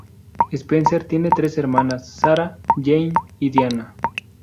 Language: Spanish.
Spencer tiene tres hermanas: Sarah, Jane y Diana.